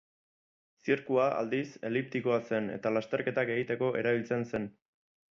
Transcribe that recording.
Zirkua, aldiz, eliptikoa zen eta lasterketak egiteko erabiltzen zen.